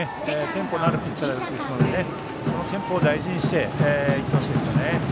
テンポのあるピッチャーですのでそのテンポを大事にしていってほしいですね。